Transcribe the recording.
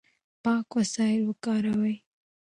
پاک وسایل وکاروئ.